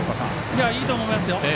いいと思いますよ。